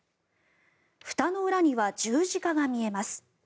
ふたの裏には十字架が見えます。